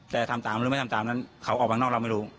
แต่ทำตามหรือไม่ทำตามนั้นเขาออกมานอกเราไม่รู้